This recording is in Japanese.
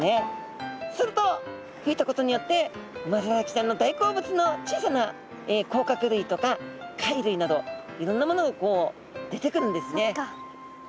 すると吹いたことによってウマヅラハギちゃんの大好物の小さな甲殻類とか貝類などいろんなものが出てくるんですね。